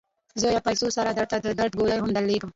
زویه! پیسو سره درته د درد ګولۍ هم درلیږم.